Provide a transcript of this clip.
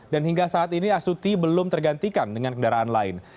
dan hingga saat ini astuti belum tergantikan dengan kendaraan lain